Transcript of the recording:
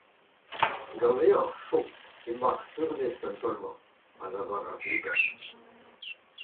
Ganeoc’h, Job, emañ ar furnez an taol-mañ, a lavaras Lukaz.